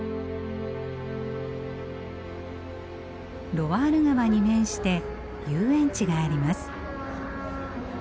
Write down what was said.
ロワール川に面して遊園地があります。